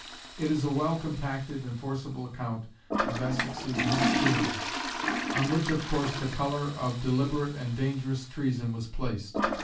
It is a well compacted and forcible account of Essex's misdoings, on which of course the colour of deliberate and dangerous treason was placed.